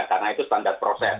karena itu standar proses